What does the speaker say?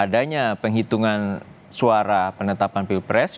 dan menyatakan bahwa adanya penghitungan suara penetapan pilpres